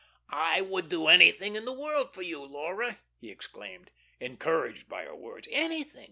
"I would do anything in the world for you, Laura," he exclaimed, encouraged by her words; "anything.